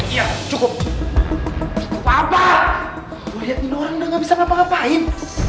iya cukup cukup apa lo liatin orang udah gak bisa ngapa ngapain